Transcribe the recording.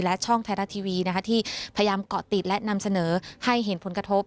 และช่องไทยรัฐทีวีที่พยายามเกาะติดและนำเสนอให้เห็นผลกระทบ